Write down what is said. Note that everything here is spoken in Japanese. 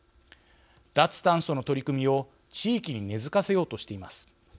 脱炭素の取り組みを地域に根づかせようとしています。